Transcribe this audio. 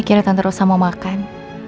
akhirnya tante rosa mau makan